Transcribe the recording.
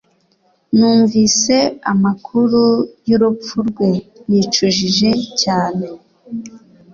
Numvise amakuru y'urupfu rwe nicujije cyane.